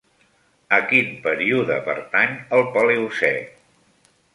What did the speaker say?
A quin període pertany el Paleocè?